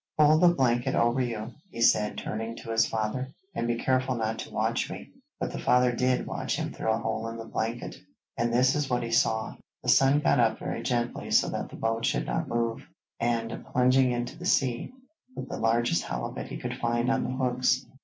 'Put the blanket over you,' he said, turning to his father, 'and be careful not to watch me.' But the father did watch him through a hole in the blanket, and this is what he saw. The son got up very gently so that the boat should not move, and, plunging into the sea, put the largest halibut he could find on the hooks.